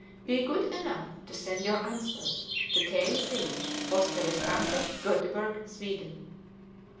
Be good enough to send your answer to K. Z., Poste Restante, Goteborg, Sweden.